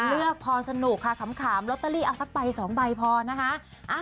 เลือกพอสนุกค่ะขำลอตเตอรี่เอาสักใบ๒ใบพอนะคะ